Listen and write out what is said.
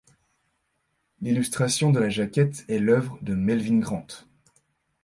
L'illustration de la jaquette est l'œuvre de Melvyn Grant.